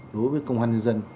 đối với công an nhân dân